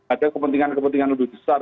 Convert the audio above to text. ada kepentingan kepentingan lebih besar